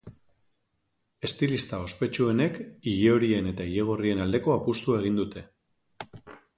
Estilista ospetsuenek ilehorien eta ilegorrien aldeko apustua egin dute.